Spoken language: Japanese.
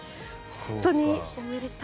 本当におめでたい。